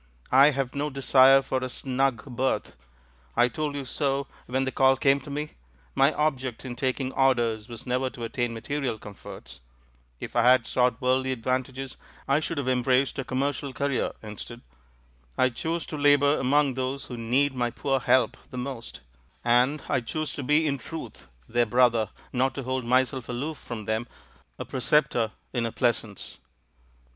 I have no desire for a 'snug berth' ; I told you so when the Call came to me. My object in taking Orders was never to attain material comforts; if I had sought worldly ad vantages, I should have embraced a commercial THE FAVOURITE PLOT 261 career instead. I choose to labour among those who need my poor help the most; and I choose to be in truth their brother — not to hold myself aloof from them, a preceptor in a pleasance."